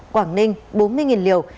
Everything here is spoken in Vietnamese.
quảng ninh bốn mươi liều